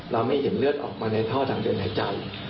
เราไม่เห็นเลือดออกมาในท่อทางเดินหายใจ